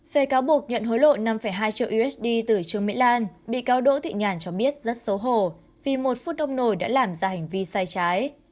về cáo buộc nhận hối lộ năm hai triệu usd từ trương mỹ lan bị cáo đỗ thị nhàn cho biết rất xấu hồ vì một phút đông nổi đã làm ra hành vi sai trái